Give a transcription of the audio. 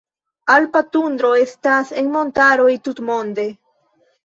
Alpa tundro estas en montaroj tutmonde.